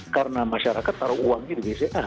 karena masyarakat taruh uangnya di bca